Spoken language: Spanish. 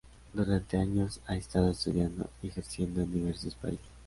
Durante años ha estado estudiando y ejerciendo en diversos países.